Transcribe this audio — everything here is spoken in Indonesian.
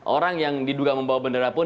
orang yang diduga membawa bendera pun